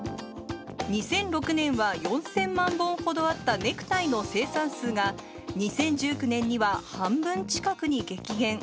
２００６年は４０００万本ほどあったネクタイの生産数が、２０１９年には半分近くに激減。